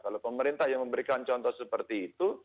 kalau pemerintah yang memberikan contoh seperti itu